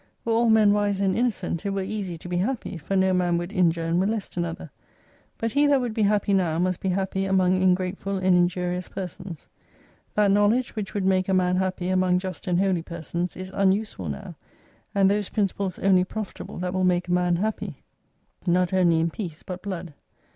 Were all men wise and innocent, it were easy to be happy, for no man would injure and molest another. But he that would be happy now, must be happy among ingrateful and injurious persons. That knowledge which would make a man happy among just and holy persons, is unuseful now : and those principles only profitable that will make a man happy, not only in *S3 peace, but blood.